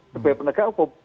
lebih penegak hukum